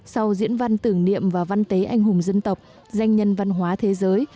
sau diễn văn tưởng niệm và văn tế anh hùng dân tộc danh nhân văn hóa thế giới